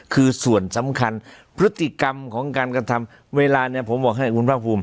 คือส่วนสำคัญพฤติกรรมของการกระทำเวลาเนี่ยผมบอกให้คุณภาคภูมิ